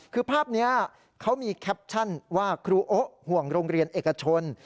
คือภาพนี้เขามีแคปชั่นว่าครูโอ๊ะห่วงโรงเรียนเอกชน